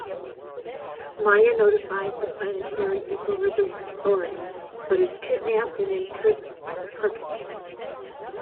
Maia notifies the "Planetary Equilibrium Authority", but is kidnapped and imprisoned by the Perkinites.